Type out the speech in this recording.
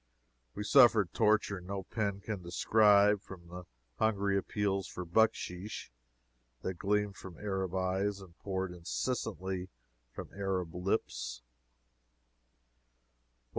We suffered torture no pen can describe from the hungry appeals for bucksheesh that gleamed from Arab eyes and poured incessantly from Arab lips.